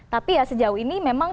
tapi ya sejauh ini memang